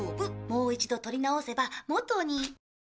もう一度撮り直せば元に。